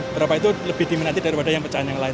berapa itu lebih diminati daripada yang pecahan yang lain